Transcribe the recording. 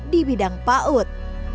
di bidang paut